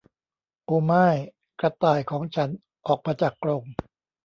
โอ้ไม่กระต่ายของฉันออกมาจากกรง !